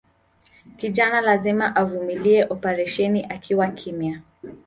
Kijana lazima avumilie operasheni akiwa kimya